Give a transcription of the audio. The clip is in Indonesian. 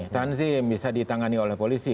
tanzim bisa ditangani oleh polisi